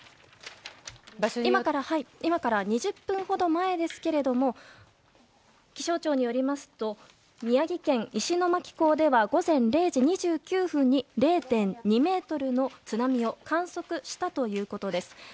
今から、２０分ほど前ですけども気象庁によりますと宮城県石巻港では午前０時２９分に０．２ｍの津波を観測したということです。